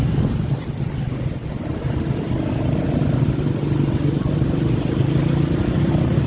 เมื่อเกิดขึ้นมันกลายเป้าหมาย